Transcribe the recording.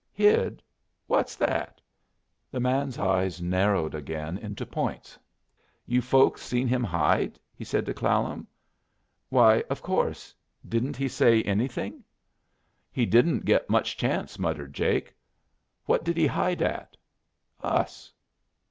"Hid? What's that?" The man's eyes narrowed again into points. "You folks seen him hide?" he said to Clallam. "Why, of course; didn't he say anything?" "He didn't get much chance," muttered Jake. "What did he hide at?" "Us."